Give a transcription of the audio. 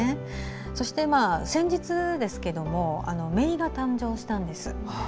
そして、先日ですけれどもめいが誕生したんです。